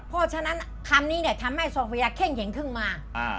เพราะฉะนั้นคำนี้เนี่ยทำให้ซองพญาเข้งแข็งขึ้นมา